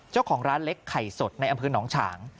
เจ้าของร้านเล็กไข่สดในอำเภอหนองฉาง